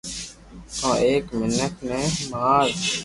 ڪو ايڪ مينک ني مار